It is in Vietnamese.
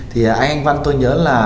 thì anh anh văn tôi nhớ là